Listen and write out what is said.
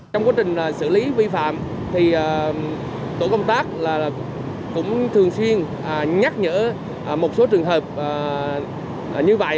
trong quá trình xử lý vi phạm thì tổ công tác cũng thường xuyên nhắc nhở một số trường hợp như vậy